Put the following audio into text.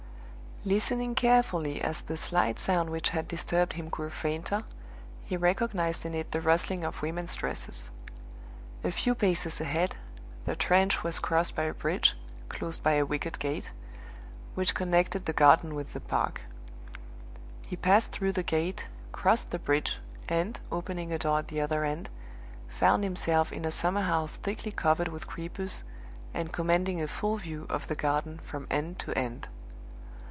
Listening carefully as the slight sound which had disturbed him grew fainter, he recognized in it the rustling of women's dresses. A few paces ahead, the trench was crossed by a bridge (closed by a wicket gate) which connected the garden with the park. He passed through the gate, crossed the bridge, and, opening a door at the other end, found himself in a summer house thickly covered with creepers, and commanding a full view of the garden from end to end.